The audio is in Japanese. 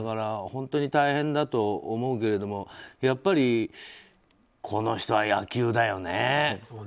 本当に大変だと思うけどやっぱりこの人は野球だよね。